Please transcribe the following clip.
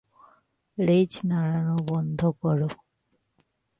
লেজ নাড়ানো বন্ধ করো।